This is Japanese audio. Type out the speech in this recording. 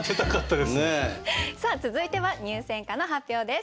さあ続いては入選歌の発表です。